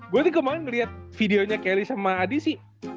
gue tuh kemana ngeliat videonya kelly sama adi sih